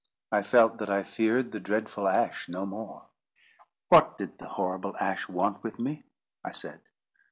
I felt that I feared the dreadful Ash no more. "What did the horrible Ash want with me?" I said.